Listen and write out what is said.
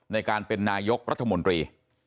ในการเป็นนายกรัฐมนตรี